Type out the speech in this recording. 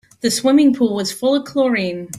The swimming pool was full of chlorine.